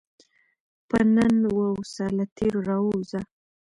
په نن واوسه، له تېر راووځه.